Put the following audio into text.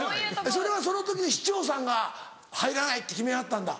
それはその時の市長さんが入らないって決めはったんだ。